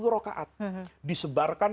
dua puluh rokaat disebarkan